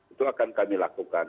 itu akan kami lakukan